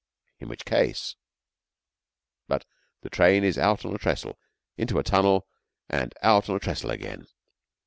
In which case.... But the train is out on a trestle, into a tunnel, and out on a trestle again.